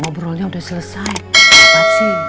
ngobrolnya udah selesai rapat sih